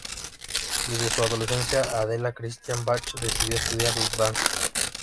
Desde su adolescencia, Adela Christian Bach decidió estudiar danzas.